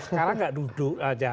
sekarang nggak duduk aja